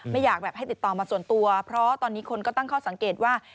ไม่อยากแบบให้ติดต่อมาส่วนตัวเพราะตอนนี้คนก็ตั้งข้อสังเกตว่า